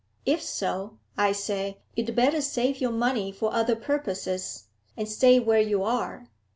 If so, I say, you'd better save your money for other purposes, and stay where you are.